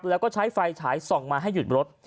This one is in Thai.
แล้วก็ใช้ไฟฉายส่องมาให้หยุดรถ